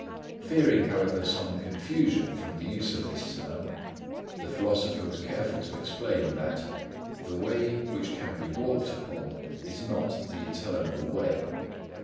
Fearing, however, some confusion from the use of this term, the philosopher was careful to explain that "the way which can be walked upon is not the eternal Way."